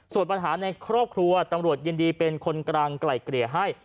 ส่วนปัญหาในครอบครัวตำรวจยินดีเป็นคนกลางไกล่เกลี่ยให้